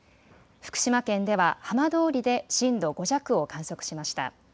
福島県では浜通りで震度５弱を観測しました。